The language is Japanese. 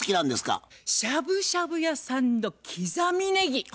しゃぶしゃぶ屋さんの刻みねぎ。